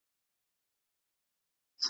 فقط لکه د فلم تماشې ته چي وتلي وي ,